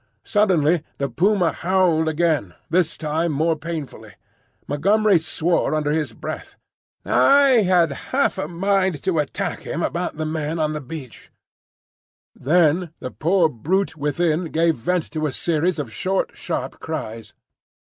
Suddenly the puma howled again, this time more painfully. Montgomery swore under his breath. I had half a mind to attack him about the men on the beach. Then the poor brute within gave vent to a series of short, sharp cries.